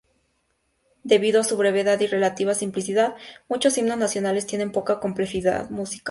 Debido a su brevedad y relativa simplicidad, muchos himnos nacionales tienen poca complejidad musical.